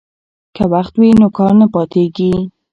که وخت وي نو کار نه پاتیږي.